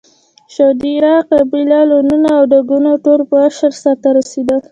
شودیاره، قلبه، لوونه او ډاګونه ټول په اشر سرته رسېدل.